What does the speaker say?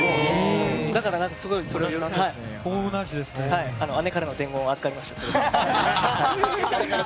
だから姉からの伝言を預かりました。